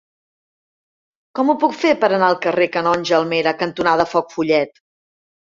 Com ho puc fer per anar al carrer Canonge Almera cantonada Foc Follet?